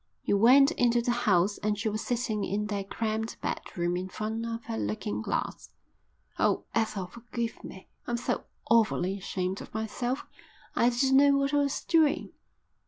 He went into the house and she was sitting in their cramped bedroom in front of her looking glass. "Oh, Ethel, forgive me. I'm so awfully ashamed of myself. I didn't know what I was doing."